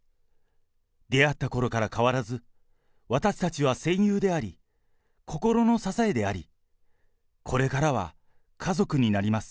出会ったころから変わらず、私たちは戦友であり、心の支えであり、これからは家族になります。